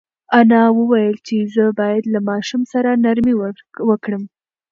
انا وویل چې زه باید له ماشوم سره نرمي وکړم.